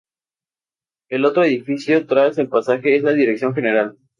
El otro edificio tras el pasaje es la Dirección General.